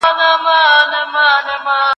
زه اوږده وخت موسيقي اورم وم.